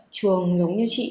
trường giống như chị